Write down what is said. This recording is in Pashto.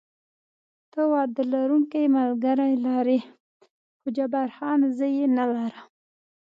ته واده لرونکی ملګری لرې؟ هو، جبار خان: زه یې نه لرم.